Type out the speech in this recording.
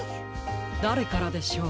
だれからでしょう？